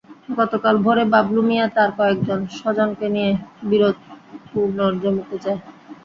গতকাল ভোরে বাবলু মিয়া তাঁর কয়েকজন স্বজনকে নিয়ে বিরোধপূর্ণ জমিতে যায়।